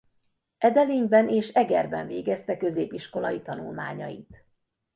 Edelényben és Egerben végezte középiskolai tanulmányait.